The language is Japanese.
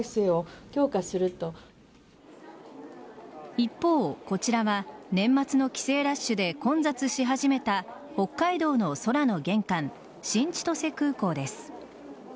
一方、こちらは年末の帰省ラッシュで混雑し始めた北海道の空の玄関新千歳空港です。